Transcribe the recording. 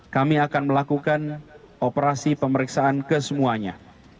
kami akan melakukan operasi pemeriksaan ke semuanya